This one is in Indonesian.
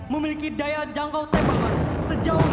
memiliki daya jangkau tembakan sejauh tiga puluh sembilan km